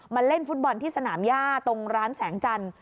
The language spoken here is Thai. เล่นฟุตบอลที่สนามย่าตรงร้านแสงจันทร์